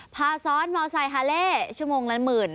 พาซ้อนมอไซคฮาเล่ชั่วโมงละหมื่น